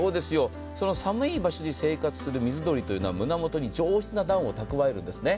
その寒い場所に生活する水鳥というのは、胸元に上質なダウンを蓄えるんですよね。